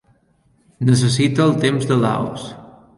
Necessito el temps de Laos